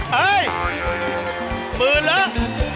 เฮ้ยหมื่นแล้ว